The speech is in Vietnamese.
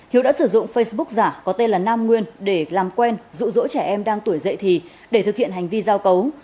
hiếu đã sử dụng facebook giả có tên là nam nguyên để làm quen rụ rỗ trẻ em đang tuổi dậy thì để thực hiện hành vi giao cấu